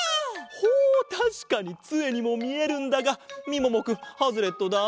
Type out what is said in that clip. ほうたしかにつえにもみえるんだがみももくんハズレットだ。